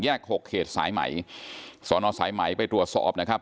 หกเขตสายใหม่สอนอสายไหมไปตรวจสอบนะครับ